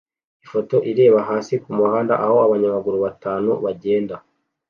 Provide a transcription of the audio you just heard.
Ifoto ireba hasi kumuhanda aho abanyamaguru batanu bagenda